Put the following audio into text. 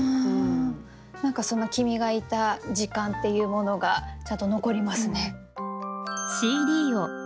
何かその君がいた時間っていうものがちゃんと残りますね。